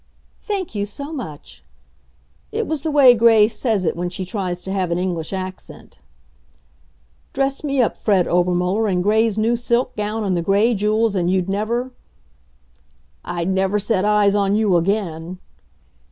"Thank you, so much." It was the way Gray says it when she tries to have an English accent. "Dress me up, Fred Obermuller, in Gray's new silk gown and the Gray jewels, and you'd never " "I'd never set eyes on you again."